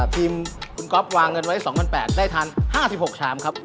ทีมคุณก็อปวางเงินไว้สองพันแปดได้ทานห้าติดหกชามครับ